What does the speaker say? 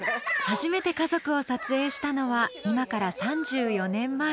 初めて家族を撮影したのは今から３４年前。